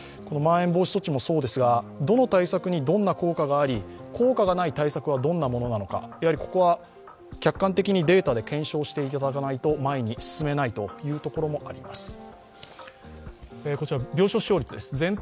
まん延防止措置もそうですが、どの対策にどんな効果があり、効果がない対策はどんなものなのか、やはりここは客観的にデータで検証していただかないと前に進めないというところもあります。